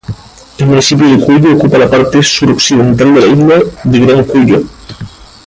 El municipio de Cuyo ocupa la parte suroccidental de la isla de Gran Cuyo.